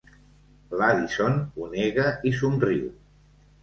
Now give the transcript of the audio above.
L'Addison ho nega i somriu.